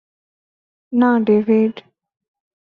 না, ডেভিড!